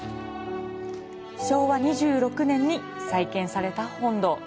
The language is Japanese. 昭和２６年に再建された本堂。